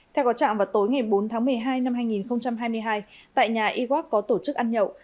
theo có trạng vào tối ngày bốn tháng một mươi hai năm hai nghìn hai mươi hai tại nhà iwak có tổ chức ăn nhậu